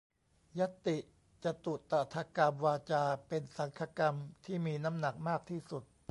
ญัตติจตุตถกรรมวาจา เป็นสังฆกรรมที่มีน้ำหนักมากที่สุด